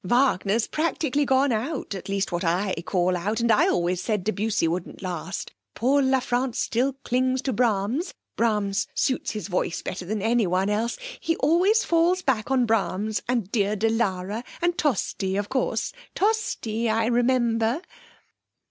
Wagner's practically gone out (at least what I call out), and I always said Debussy wouldn't last. Paul La France still clings to Brahms Brahms suits his voice better than anyone else. He always falls back on Brahms, and dear de Lara; and Tosti; of course, Tosti. I remember...'